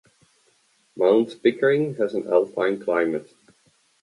Mount Pickering has an alpine climate.